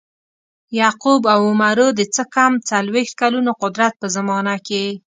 یعقوب او عمرو د څه کم څلویښت کلونو قدرت په زمانه کې.